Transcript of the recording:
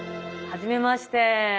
はじめまして。